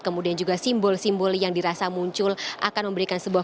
kemudian juga simbol simbol yang dirasa muncul akan memberikan sebuah